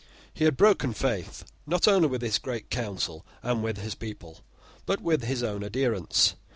He had broken faith, not only with his Great Council and with his people, but with his own adherents.